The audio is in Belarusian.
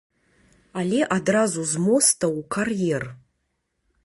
Але адразу з моста ў кар'ер.